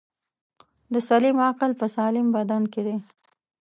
دسلیم عقل په سالم بدن کی دی.